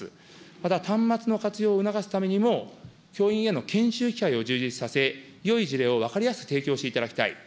また端末の活用を促すためにも、教員への研修機会を充実させ、よい事例を分かりやすく提供していただきたい。